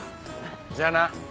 じゃあな。